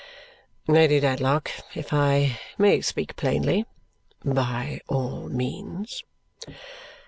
"Lady Dedlock, if I may speak plainly " "By all means."